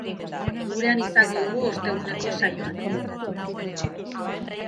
Gurean izango dugu osteguneko saioan.